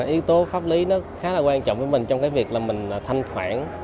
yếu tố pháp lý khá là quan trọng với mình trong việc mình thanh khoản